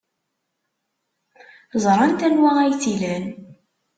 Ẓrant anwa ay tt-ilan.